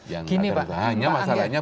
yang agak banyak masalahnya